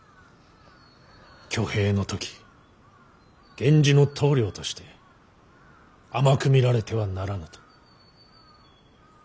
挙兵の時源氏の棟梁として甘く見られてはならぬと。